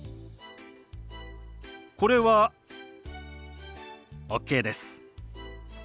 これはＯＫです。